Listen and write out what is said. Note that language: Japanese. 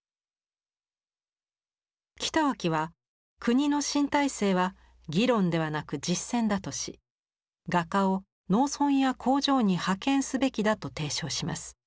北脇は国の新体制は議論ではなく実践だとし画家を農村や工場に派遣すべきだと提唱します。